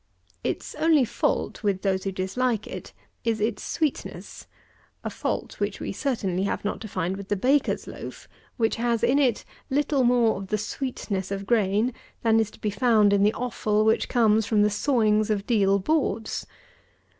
Its only fault, with those who dislike it, is its sweetness, a fault which we certainly have not to find with the baker's loaf, which has in it little more of the sweetness of grain than is to be found in the offal which comes from the sawings of deal boards.